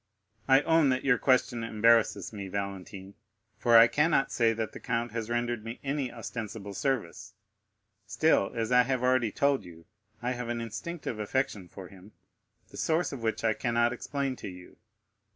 30157m "I own that your question embarrasses me, Valentine, for I cannot say that the count has rendered me any ostensible service. Still, as I have already told you, I have an instinctive affection for him, the source of which I cannot explain to you.